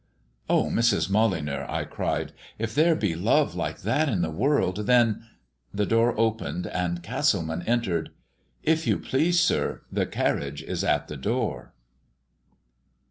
"Oh, Mrs. Molyneux," I cried, "if there be love like that in the world, then " The door opened and Castleman entered. "If you please, sir, the carriage is at the door."